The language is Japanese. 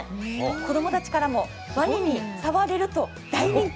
子供たちからも、ワニに触れると大人気。